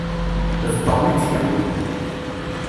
D Tom i t-yewwin.